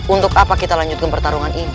untuk apa kita lanjutkan pertarungan ini